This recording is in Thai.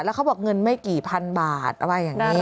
แล้วเขาบอกเงินไม่กี่พันบาทอะไรอย่างนี้